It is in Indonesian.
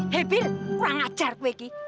hebin kurang ajar kweki